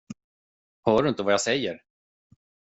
Hör du inte vad jag säger?